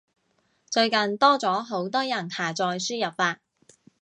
最近多咗好多人下載輸入法